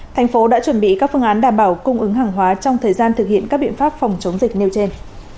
thành phố đã chuẩn bị các phương án đảm bảo cung ứng hàng hóa trong thời gian thực hiện các biện pháp phòng chống dịch nêu trên